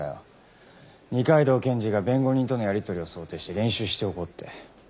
二階堂検事が弁護人とのやりとりを想定して練習しておこうって。